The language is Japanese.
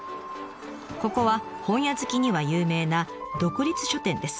ここは本屋好きには有名な独立書店です。